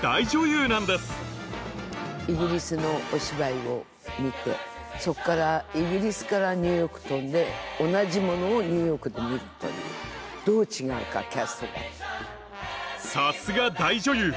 イギリスのお芝居を見てそっからイギリスからニューヨーク飛んで同じものをニューヨークで見るというどう違うかキャストがさすが大女優